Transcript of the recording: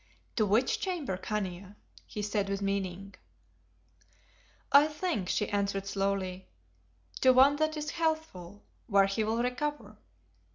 "To which chamber, Khania?" he said with meaning. "I think," she answered slowly, "to one that is healthful, where he will recover.